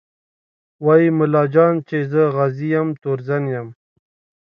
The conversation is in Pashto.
وايي ملا جان چې زه غازي یم تورزن یم